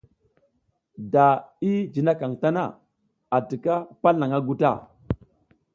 Da i jinakaƞ tana, a tika palnaƞʼha nguta.